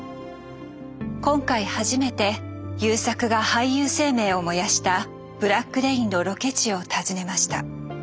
今回初めて優作が俳優生命を燃やした「ブラック・レイン」のロケ地を訪ねました。